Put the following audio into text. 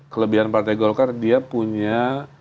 kelebihan partai golkar dia punya